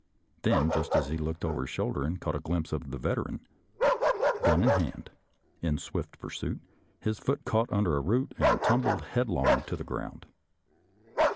Then, just as he looked over his shoulder and caught a glimpse of the Veteran, gun in hand, in swift pursuit, his foot caught under a root and he tum bled headlong to the ground.